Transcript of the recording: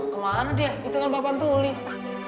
kemana dia itu kan bapak tulis